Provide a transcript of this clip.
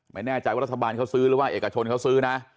ไม่แน่ใจว่ารัฐบาลเขาซื้อหรือว่าเอกชนเขาซื้อนะ